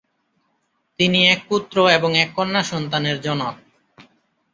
তিনি এক পুত্র এবং এক কন্যা সন্তানের জনক।